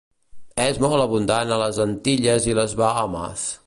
És molt abundant a les Antilles i les Bahames.